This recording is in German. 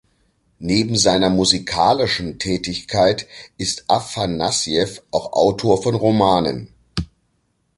Neben seiner musikalischen Tätigkeit ist Afanassjew auch Autor von Romanen.